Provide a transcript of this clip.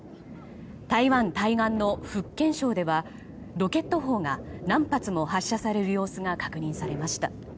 台湾対岸の福建省ではロケット砲が何発も発射される様子が確認されました。